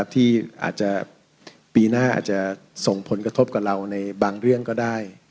ที่อาจจะปีหน้าอาจจะส่งผลกระทบกับเราในบางเรื่องก็ได้